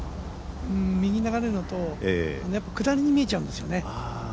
右に流れるのと下りに見えちゃうんですよね。